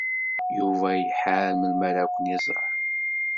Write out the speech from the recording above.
Yuba iḥar melmi ara ken-iẓer.